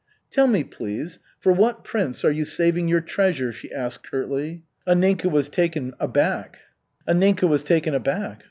"Tell me, please, for what prince are you saving your treasure?" she asked curtly. Anninka was taken aback.